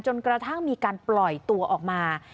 จนกระทั่งมีการปล่อยตัวออกมา